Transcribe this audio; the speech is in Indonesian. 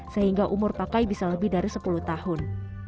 sehingga umur pakai bisa lebih dari sepuluh tahun